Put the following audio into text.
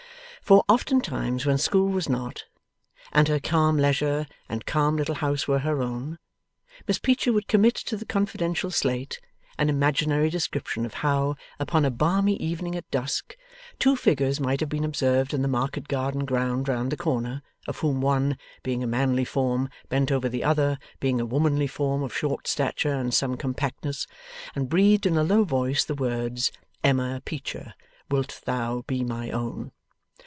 For, oftentimes when school was not, and her calm leisure and calm little house were her own, Miss Peecher would commit to the confidential slate an imaginary description of how, upon a balmy evening at dusk, two figures might have been observed in the market garden ground round the corner, of whom one, being a manly form, bent over the other, being a womanly form of short stature and some compactness, and breathed in a low voice the words, 'Emma Peecher, wilt thou be my own?